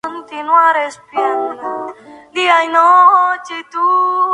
Todas estas violaciones han ocasionado preocupación por la estabilidad de la región hostil.